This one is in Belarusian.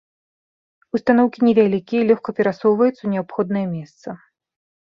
Устаноўкі невялікія і лёгка перасоўваюцца ў неабходнае месца.